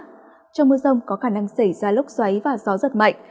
trong mưa rông có khả năng xảy ra lốc xoáy và gió giật mạnh